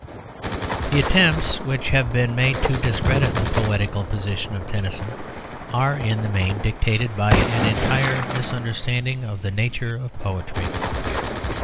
The attempts which have been made to discredit the poetical position of Tennyson are in the main dictated by an entire misunderstanding of the nature of poetry.